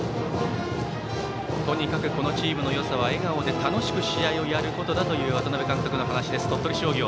とにかくこのチームのよさは笑顔で楽しく試合をすることだと渡辺監督の話です、鳥取商業。